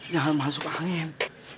jangan masuk angin